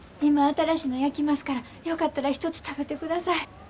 今新しいの焼きますからよかったら一つ食べてください。